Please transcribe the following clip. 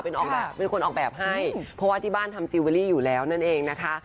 เป็นออกแบบเป็นคนออกแบบให้เพราะว่าที่บ้านทำจิลเวอรี่อยู่แล้วนั่นเองนะคะ